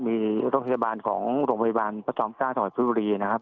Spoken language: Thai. มีรถพยาบาลของโรงพยาบาลประชามกาศสหรัฐภูมิวรีนะครับ